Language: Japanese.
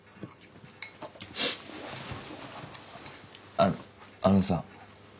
あっあのさ